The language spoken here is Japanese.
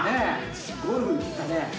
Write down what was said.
ゴルフ行ったね。